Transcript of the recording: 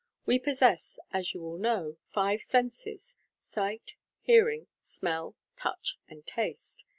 We possess, as you all know, five senses — sight, hearing, smell, touch, and taste.